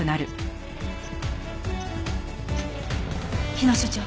日野所長